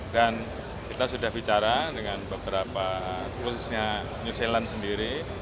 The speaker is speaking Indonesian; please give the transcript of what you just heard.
dan kita sudah bicara dengan beberapa khususnya new zealand sendiri